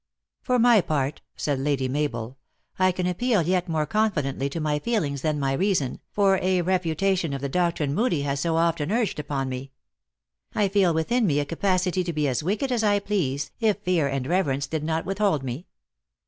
" For my part," said Lady Mabel, " I can appeal yet more confidently to my feelings than my reason, for a refutation of the doctrine Moodie lias so often urged upon me. I feel within me a capacity to be as wicked as I please, if fear and reverence did not with hold me."